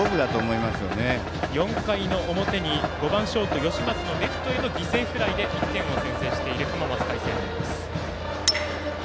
４回の表に５番ショート、吉松のレフトへの犠牲フライで１点を先制している浜松開誠館。